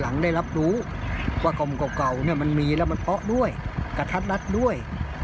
นี่เขาเข้ากลัวแล้วมันเปาด้วยกระทัดรัดด้วย